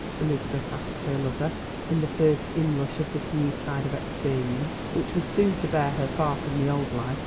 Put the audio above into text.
Elizabeth asked her lover in the first inrush of this new tide of experience which was soon to bear her far from the old life.